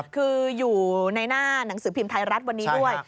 คืออยู่ในหน้าหนังสือพิมพ์ไทยรัฐวันนี้ด้วย